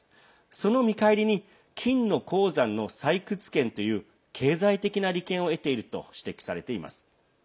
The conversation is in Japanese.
その見返りに金の鉱山の採掘権という経済的な利権を得ていると指摘されています。